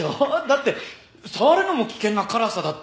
だって触るのも危険な辛さだって。